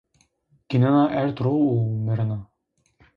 Ginena erd ro û mirena